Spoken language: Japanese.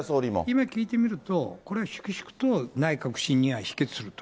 今聞いてみると、これ、粛々と内閣不信任案は否決すると。